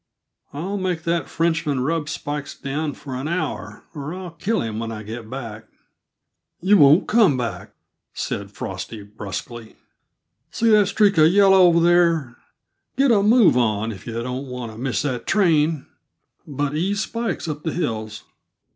I'll make that Frenchman rub Spikes down for an hour, or I'll kill him when I get back." "You won't come back," said Frosty bruskly. "See that streak uh yellow, over there? Get a move on, if yuh don't want to miss that train but ease Spikes up the hills!"